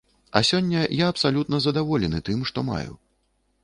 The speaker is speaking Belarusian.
А сёння я абсалютна задаволены тым, што маю.